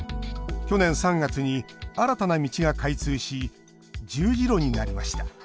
去年３月に新たな道が開通し十字路になりました。